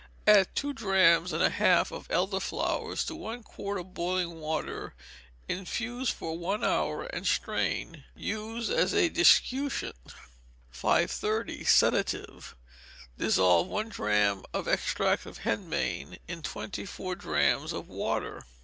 Add two drachms and a half of elder flowers to one quart of boiling water, infuse for one hour, and strain. Use as a discutient. 530. Sedative. Dissolve one drachm of extract of henbane in twenty four drachms of water.